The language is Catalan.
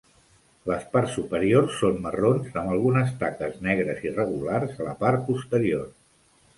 La parts superiors són marrons, amb algunes taques negres irregulars a la part posterior.